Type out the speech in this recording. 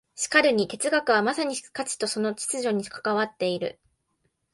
しかるに哲学はまさに価値とその秩序に関わっている。